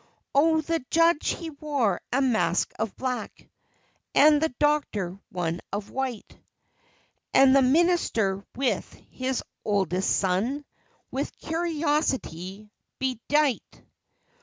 Oh, the judge, he wore a mask of black, And the doctor one of white, And the minister, with his oldest son, Was curiously bedight.